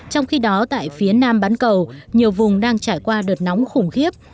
trong khi đó tại phía nam bán cầu nhiều vùng đang trải qua đợt nóng khủng khiếp